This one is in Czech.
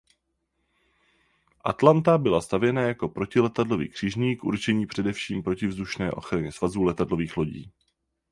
Atlanta byla stavěna jako protiletadlový křižník určení především k protivzdušné ochraně svazů letadlových lodí.